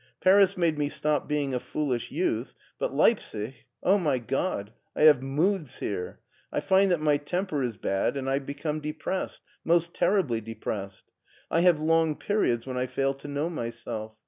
Paris made me stop being a foolish youth, but Leipsic ! Oh, my God ! I have moods here. I find that my temper is bad and I become depressed, most terribly depressed. T have long periods when I fail to know myself.